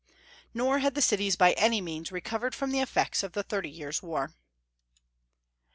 Nor had the cities by any means recovered from the effects of the Thirty Years' War.